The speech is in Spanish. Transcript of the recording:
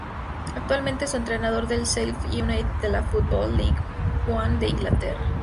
Actualmente es entrenador del Sheffield United de la Football League One de Inglaterra.